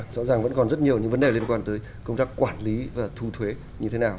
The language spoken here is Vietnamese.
rõ ràng vẫn còn rất nhiều những vấn đề liên quan tới công tác quản lý và thu thuế như thế nào